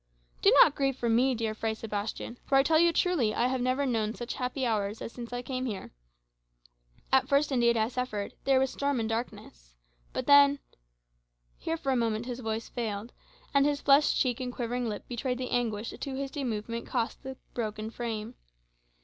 "Do not grieve for me, dear Fray Sebastian; for I tell you truly, I have never known such happy hours as since I came here. At first, indeed, I suffered; there was storm and darkness. But then" here for a moment his voice failed, and his flushed cheek and quivering lip betrayed the anguish a too hasty movement cost the broken frame.